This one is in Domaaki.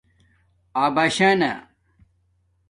اَباشݳنہ